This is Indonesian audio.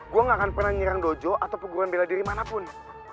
gue gak akan pernah nyerang dojo atau pegunungan bela diri manapun